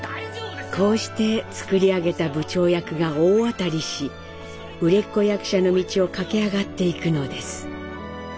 こうして作り上げた部長役が大当たりし売れっ子役者の道を駆け上がっていくのです。